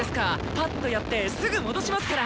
パッとやってすぐ戻しますから！